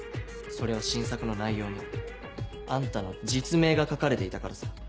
それは新作の内容にあんたの実名が書かれていたからさ。